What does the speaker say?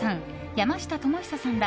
山下智久さんら